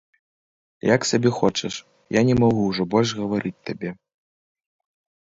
Як сабе хочаш, я не магу ўжо больш гаварыць табе.